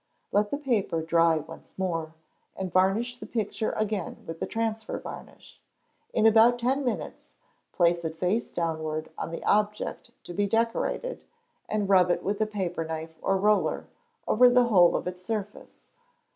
Let the paper dry once more, and varnish the picture again with the transfer varnish; in about ten minutes, place it face downward on the object to be decorated, and rub it with the paper knife or roller, over the whole of its surface.